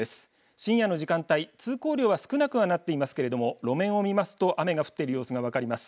深夜の時間帯通行量は少なくなっていますけど路面を見ますと雨が降っているのが分かります。